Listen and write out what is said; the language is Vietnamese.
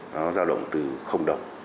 nó ra động từ đồng